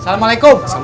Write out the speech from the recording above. pergi pulang dulu shay